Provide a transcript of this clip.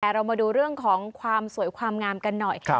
เรามาดูเรื่องของความสวยความงามกันหน่อย